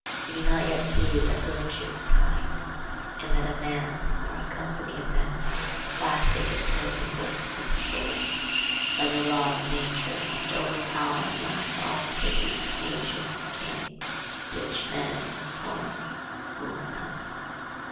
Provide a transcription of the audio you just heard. We do not yet see that virtue is Height, and that a man or a company of men, plastic and permeable to principles, by the law of nature must overpower and ride all cities, nations, kings, rich men, poets, who are not.